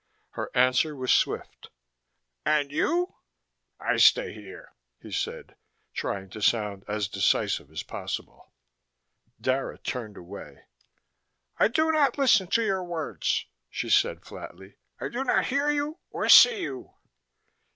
Her answer was swift. "And you?" "I stay here," he said, trying to sound as decisive as possible. Dara turned away. "I do not listen to your words," she said flatly. "I do not hear you or see you."